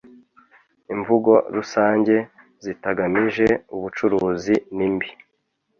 imvugo rusange zitagamije ubucuruzi nimbi